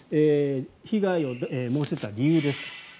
被害を申し出た理由です。